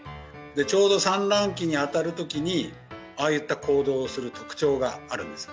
ちょうど産卵期に当たるときに、ああいった行動をする特徴があるんですよ。